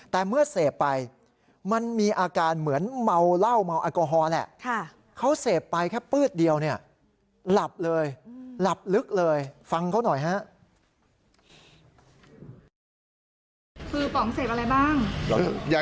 แต่เมื่อเสพไปมันมีอาการเหมือนเมาเหล้าเมาแอลกอฮอลแหละเขาเสพไปแค่ปืดเดียวเนี่ยหลับเลยหลับลึกเลยฟังเขาหน่อยฮะ